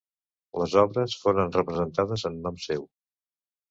Les obres foren representades en nom seu.